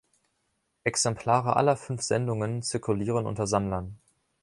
Exemplare aller fünf Sendungen zirkulieren unter Sammlern.